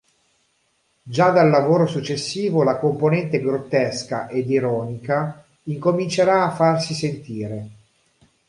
Già dal lavoro successivo la componente grottesca ed ironica incomincerà a farsi sentire.